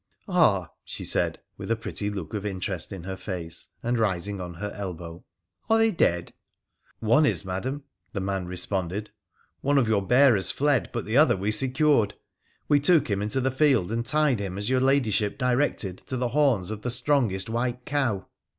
' Ah !' she said, with a pretty look of interest in her face, and rising on her elbow, ' are they dead ?'' One is, Madam,' the man responded :' one of your bearers fled, but the other we secured. We took him into the field and tied him, as your ladyship directed, to the horns of the strongest white cow.